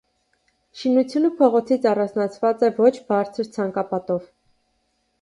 Շինությունը փողոցից առանձնացված է ոչ բարձր ցանկապատով։